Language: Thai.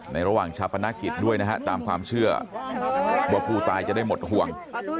ระหว่างชาปนกิจด้วยนะฮะตามความเชื่อว่าผู้ตายจะได้หมดห่วง